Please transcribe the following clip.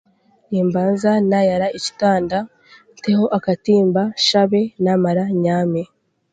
Nimbaasa naayara ekitanda, nteho akatimba, nshabe, naamara nyaame